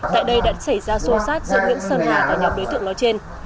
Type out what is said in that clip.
tại đây đã xảy ra xô xát giữa nguyễn sơn hà và nhóm đối tượng nói trên